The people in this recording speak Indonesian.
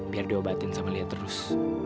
biar diobatin sama dia terus